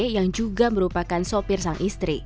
yang juga merupakan sopir sang istri